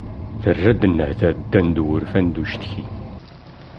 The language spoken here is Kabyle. Terra-d nnehta ddan-d wurfan d ucetki.